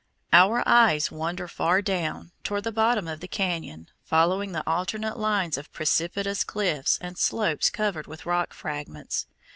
Our eyes wander far down, toward the bottom of the cañon, following the alternate lines of precipitous cliffs and slopes covered with rock fragments.